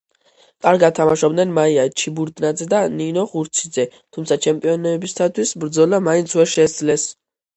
კარგად თამაშობდნენ მაია ჩიბურდანიძე და ნინო ხურციძე, თუმცა ჩემპიონობისათვის ბრძოლა მაინც ვერ შესძლეს.